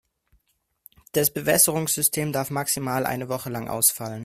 Das Bewässerungssystem darf maximal eine Woche lang ausfallen.